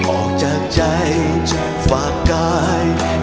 ออกจากใจฝากกาย